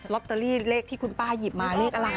อตเตอรี่เลขที่คุณป้าหยิบมาเลขอะไร